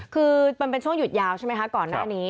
คือมันเป็นช่วงหยุดยาวใช่ไหมคะก่อนหน้านี้